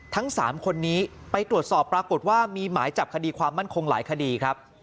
ทั้ง๓คนนี้ไปตรวจสอบปรากฏว่ามีหมายจับคดีความมั่นคงหลายคดีครับ